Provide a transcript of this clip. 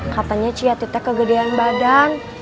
katanya si yati teh kegedean badan